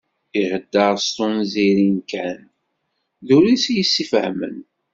Ihedder s tunẓirin kan, drus i s-ifehhmen.